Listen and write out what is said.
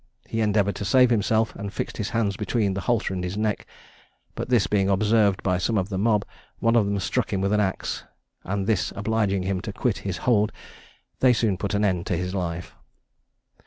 He endeavoured to save himself, and fixed his hands between the halter and his neck; but this being observed by some of the mob, one of them struck him with an axe, and this obliging him to quit his hold, they soon put an end to his life.